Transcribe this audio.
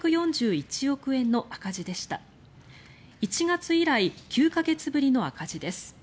１月以来９か月ぶりの赤字です。